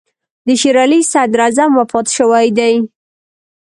د شېر علي صدراعظم وفات شوی دی.